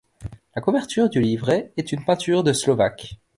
La couverture du livret est une peinture de Slovak.